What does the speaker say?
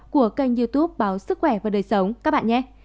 của kênh youtube báo sức khỏe và đời sống các bạn nhé